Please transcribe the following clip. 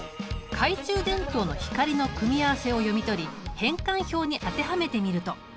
懐中電灯の光の組み合わせを読み取り変換表に当てはめてみると？